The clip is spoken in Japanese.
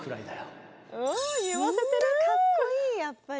みんなかっこいいやっぱり。